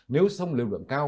nếu sông lượng lượng cao